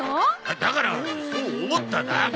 だからそう思っただけで。